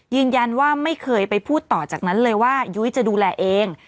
ไม่เคยไปพูดต่อจากนั้นเลยว่ายุ้ยจะดูแลเอง